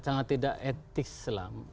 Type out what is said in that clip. sangat tidak etis selama